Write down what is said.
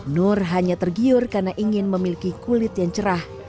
nur hanya tergiur karena ingin memiliki kulit yang cerah